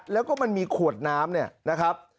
แล้วก็มันมีขวดน้ำเนี่ยนะครับ